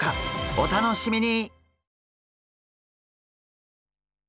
お楽しみに！